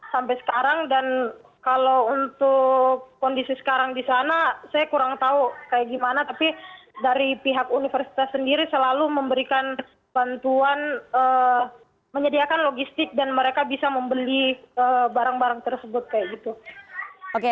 sampai sekarang dan kalau untuk kondisi sekarang di sana saya kurang tahu kayak gimana tapi dari pihak universitas sendiri selalu memberikan bantuan menyediakan logistik dan mereka bisa membeli barang barang tersebut